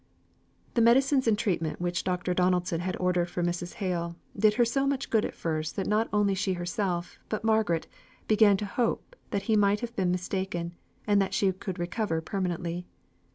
The medicines and treatment which Dr. Donaldson had ordered for Mrs. Hale, did her so much good at first that not only she herself, but Margaret, began to hope that he might have been mistaken, and that she could recover permanently.